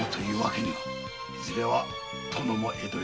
いずれは殿も江戸入りを。